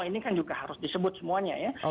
ini kan juga harus disebut semuanya ya